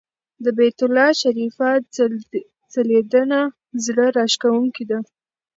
د بیت الله شریفه ځلېدنه زړه راښکونکې ده.